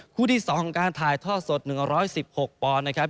คู่ที่๒ทางการถ่ายท่อสด๑๑๖ปอนนะครับ